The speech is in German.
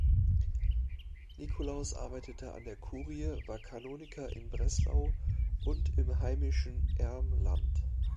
Nikolaus arbeitete an der Kurie, war Kanoniker in Breslau und im heimischen Ermland.